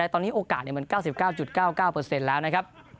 ตอนนี้โอกาสมัน๙๙๙๙แล้วนะครับ